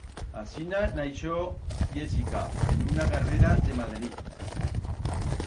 Asina naixió Yésica, en una carrera de Madrid.